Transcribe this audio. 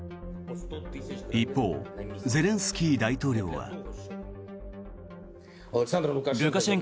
一方、ゼレンスキー大統領は。